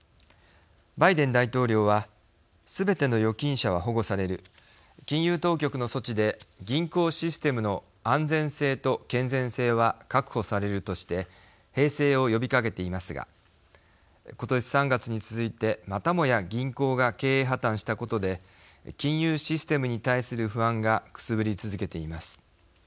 バイデン大統領は「すべての預金者は保護される。金融当局の措置で銀行システムの安全性と健全性は確保される」として平静を呼びかけていますが今年３月に続いてまたもや銀行が経営破綻したことで金融システムに対する不安がくすぶり続けています。